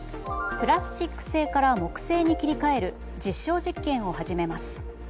プラスチック製から木製に切り替える実証実験を始めます。